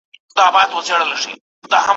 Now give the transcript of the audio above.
یو پاچاوو د فقیر پر لور مین سو